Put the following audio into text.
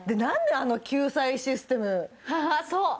あの救済システムそう！